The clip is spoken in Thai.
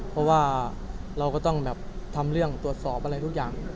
เพราะว่าเราก็ต้องแบบทำเรื่องตรวจสอบอะไรทุกอย่าง